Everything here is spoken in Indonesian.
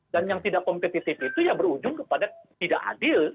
dan yang tidak kompetitif itu ya berujung kepada tidak adil